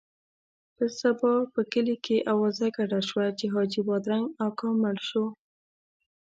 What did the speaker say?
په سبا په کلي کې اوازه ګډه شوه چې حاجي بادرنګ اکا مړ شو.